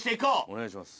お願いします。